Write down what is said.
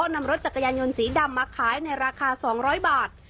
นำรถจักรยานยนต์สีดำมาขายในราคา๒๐๐บาท